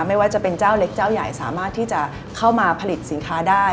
ไม่ว่าจะเป็นเจ้าเล็กเจ้าใหญ่สามารถที่จะเข้ามาผลิตสินค้าได้